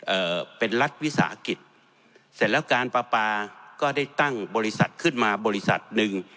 เอ่อเป็นรัฐวิสาหกิจเสร็จแล้วการปลาปลาก็ได้ตั้งบริษัทขึ้นมาบริษัทหนึ่ง